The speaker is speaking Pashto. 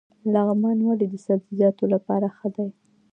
لغمان ولې د سبزیجاتو لپاره ښه دی؟